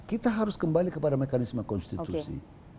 kita harus kembali kepada mekanisme konstitusi